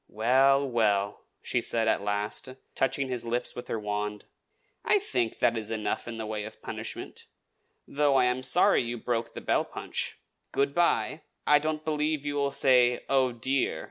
"Well, well," she said at last, touching his lips with her wand, "I think that is enough in the way of punishment, though I am sorry you broke the bell punch. Good by! I don't believe you will say 'Oh, dear!'